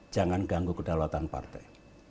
jangan ganggu kedaulatan partai